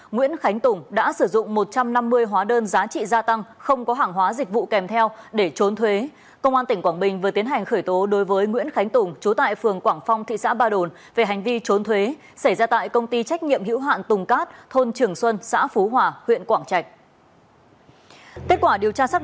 nguyễn khánh tùng đã sử dụng một trăm năm mươi hóa đơn giá trị gia tăng không có hàng hóa dịch vụ kèm theo để trốn thuế công an tỉnh quảng bình vừa tiến hành khởi tố đối với nguyễn khánh tùng chú tại phường quảng phong thị xã ba đồn về hành vi trốn thuế xảy ra tại công ty trách nhiệm hữu hạn tùng cát thôn trường xuân xã phú hòa huyện quảng trạch